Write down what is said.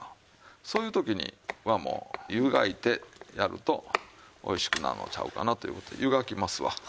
そういう時にはもう湯がいてやるとおいしくなるのちゃうかなという事で湯がきますわ。